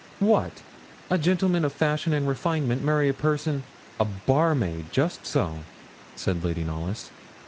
'What! a gentleman of fashion and refinement marry a person ' 'A barmaid! just so,' said Lady Knollys.